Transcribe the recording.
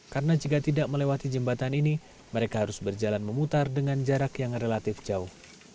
karena jika tidak melewati jembatan ini mereka harus berjalan memutar dengan jarak yang relatif jauh